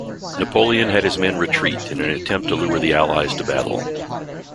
Napoleon had his men retreat in an attempt to lure the Allies to battle.